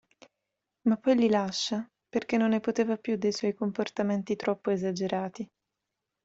Ma poi li lascia, perché non ne poteva più dei suoi comportamenti troppo esagerati.